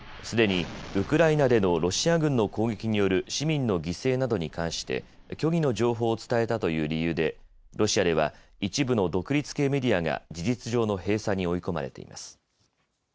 すでにウクライナでのロシア軍の攻撃による市民の犠牲などに関して虚偽の情報を伝えたという理由でロシアでは一部の独立系メディアが事実上の閉鎖に追い込まれています。